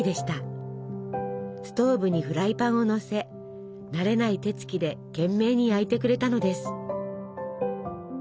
ストーブにフライパンをのせ慣れない手つきで懸命に焼いてくれたのです。